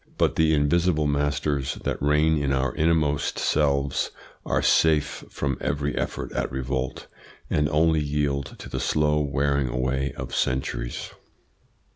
But the invisible masters that reign in our innermost selves are safe from every effort at revolt, and only yield to the slow wearing away of centuries.